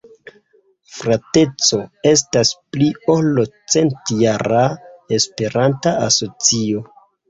Frateco estas pli ol centjara esperanta asocio.